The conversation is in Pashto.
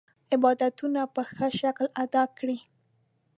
عبادتونه په ښه شکل ادا کړي.